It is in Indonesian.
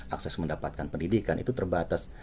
akses mendapatkan pendidikan itu terbatas